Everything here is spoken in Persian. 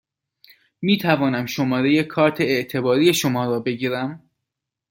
می توانم شماره کارت اعتباری شما را بگیرم؟